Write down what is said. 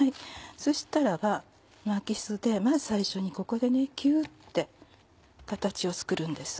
そしたら巻きすでまず最初にここでギュって形を作るんです。